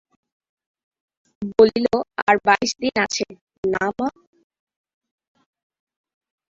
বলিল, আর বাইশ দিন আছে, না মা?